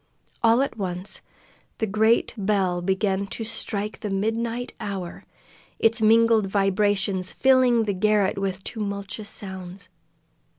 All at once the great bell began to strike the midnight hour, its mingled vibrations filling the garret with tumultuous sounds.